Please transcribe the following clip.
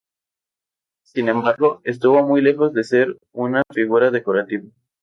Sin embargo, estuvo muy lejos de ser una figura decorativa.